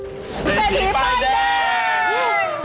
เซทีป้ายแดง